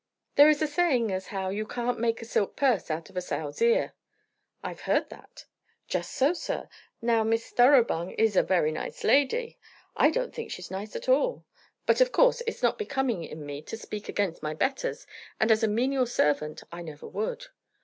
"There is a saying as how 'you can't make a silk purse out of a sow's ear.'" "I've heard that." "Just so, sir. Now, Miss Thoroughbung is a very nice lady." "I don't think she's a nice lady at all." "But Of course it's not becoming in me to speak against my betters, and as a menial servant I never would."